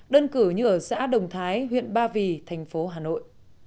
đơn cử như ở xã đồng thái huyện ba vì thành phố hà nội